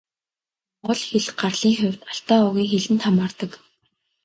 Монгол хэл гарлын хувьд Алтай овгийн хэлэнд хамаардаг.